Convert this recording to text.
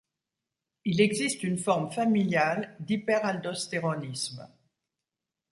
Il existe une forme familiale d'hyperaldostéronisme.